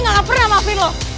gak pernah maafin lo